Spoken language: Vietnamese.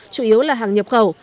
chủ yếu là hàng nhập khẩu